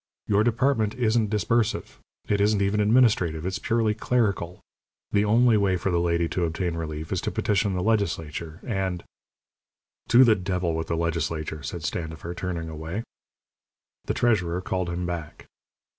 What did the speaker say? Your department isn't disbursive it isn't even administrative it's purely clerical. The only way for the lady to obtain relief is to petition the legislature, and " "To the devil with the legislature," said Standifer, turning away. The treasurer called him back.